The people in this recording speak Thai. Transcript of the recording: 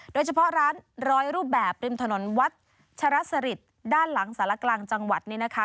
โดยเฉพาะร้านร้อยรูปแบบริมถนนวัดชรสริตด้านหลังสารกลางจังหวัดนี่นะคะ